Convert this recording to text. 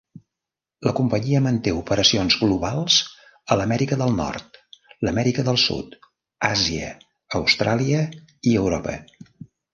La companyia manté operacions globals a l'Amèrica del Nord, l'Amèrica del Sud, Àsia, Austràlia i Europa.